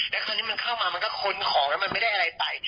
แล้วคราวนี้มันเข้ามามันก็ค้นของแล้วมันไม่ได้อะไรไป